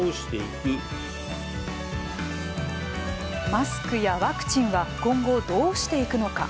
マスクやワクチンは今後、どうしていくのか。